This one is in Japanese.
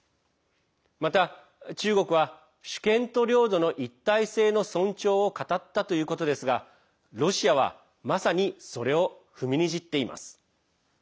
また中国は主権と領土の一体性の尊重を語ったということですがロシアは、まさにそれを踏みにじっています。